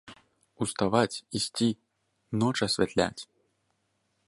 Уставаць, ісці, ноч асвятляць!